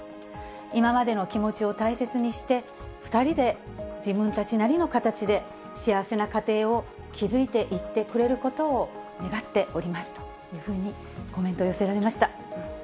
今までの気持ちを大切にして、２人で自分たちなりの形で、幸せな家庭を築いていってくれることを願っておりますというふうにコメントを寄せられました。